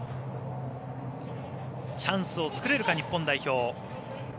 チャンスを作れるか日本代表。